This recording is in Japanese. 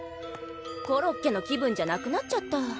コロッケの気分じゃなくなっちゃった。